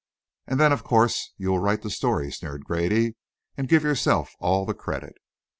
"And then, of course, you will write the story," sneered Grady, "and give yourself all the credit."